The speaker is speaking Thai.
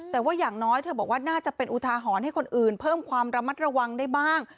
แต่ว่าอย่างน้อยเธอบอกว่าน่าจะเป็นอุทาหรณ์ให้คนอื่นเพิ่มความระมัดระวังได้บ้าง